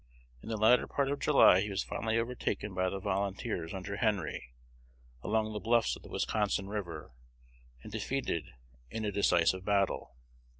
In the latter part of July he was finally overtaken by the volunteers under Henry, along the bluffs of the Wisconsin River, and defeated in a decisive battle.